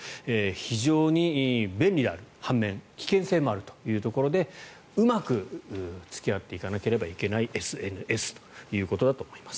非常に便利である半面危険性もあるというところでうまく付き合っていかなければいけないＳＮＳということだと思います。